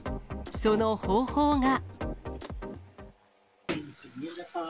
その方法が。